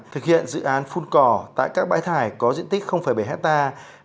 thực hiện dự án phun cỏ tại các bãi thải có diện tích bảy hectare